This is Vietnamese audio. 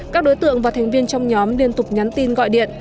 các đối tượng và thành viên trong nhóm liên tục nhắn tin gọi điện